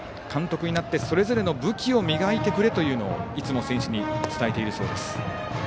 監督になってからもそれぞれの武器を磨いてくれといつも選手に伝えているそうです。